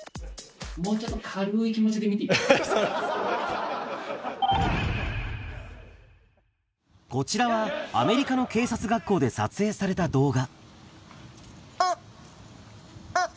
もうちょっと軽い気持ちで見こちらは、アメリカの警察学校で撮影された動画。